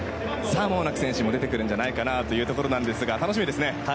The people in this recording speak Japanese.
選手も出てくるんじゃないかというところなんですが楽しみですね。